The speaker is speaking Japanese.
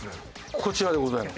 こちらでございます。